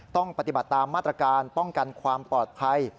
ต้องปฏิบัติตามมาตรการป้องกันความปลอดภัย